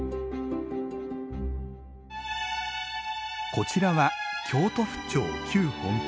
こちらは京都府庁・旧本館。